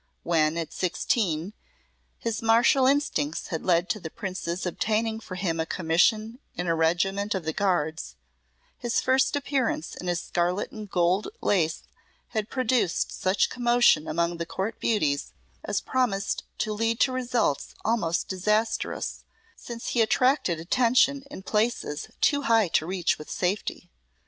When, at sixteen, his martial instincts had led to the Prince's obtaining for him a commission in a regiment of the guards, his first appearance in his scarlet and gold lace had produced such commotion among the court beauties as promised to lead to results almost disastrous, since he attracted attention in places too high to reach with safety.